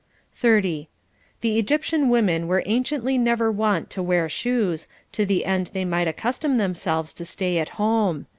30. The Egyptian women were anciently never wont to wear shoes, to the end they might accustom themselves to stay at home.